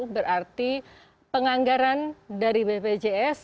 berarti penganggaran dari bpjs